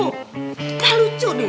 gak lucu deh